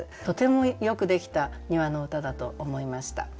とてもよくできた庭の歌だと思いました。